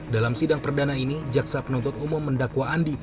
dalam sidang perdana ini jaksa penuntut umum mendakwa andi